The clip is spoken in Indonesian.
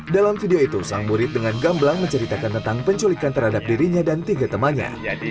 dalam video itu sang murid dengan gamblang menceritakan tentang penculikan terhadap dirinya dan tiga temannya